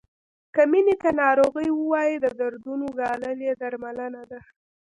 که مینې ته ناروغي ووایو د دردونو ګالل یې درملنه ده.